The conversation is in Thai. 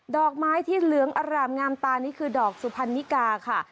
ดอกไม้ที่เหลืองอร่ามงามตานี่คือดอกสุพรรณิกาค่ะ